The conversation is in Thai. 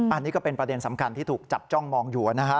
อันนี้ก็เป็นประเด็นสำคัญที่ถูกจับจ้องมองอยู่นะฮะ